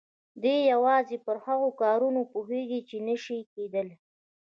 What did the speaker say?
دی يوازې پر هغو کارونو پوهېږي چې نه شي کېدای.